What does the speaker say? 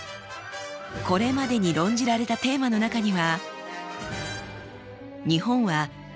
これまでに論じられたテーマの中には。